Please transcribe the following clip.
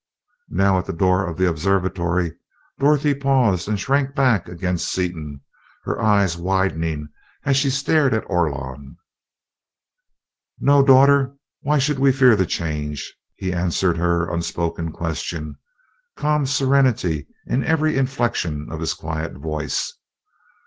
Now at the door of the observatory, Dorothy paused and shrank back against Seaton, her eyes widening as she stared at Orlon. "No, daughter, why should we fear the Change?" he answered her unspoken question, calm serenity in every inflection of his quiet voice.